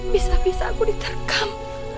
bisa bisa aku diterkam